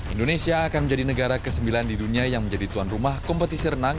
indonesia akan menjadi negara ke sembilan di dunia yang menjadi tuan rumah kompetisi renang